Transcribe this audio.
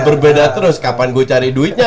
berbeda terus kapan gue cari duitnya